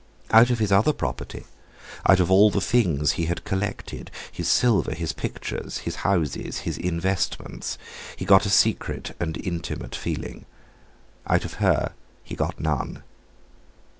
Out of his other property, out of all the things he had collected, his silver, his pictures, his houses, his investments, he got a secret and intimate feeling; out of her he got none.